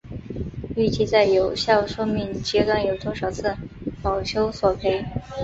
预计在有效寿命阶段有多少次保修索赔？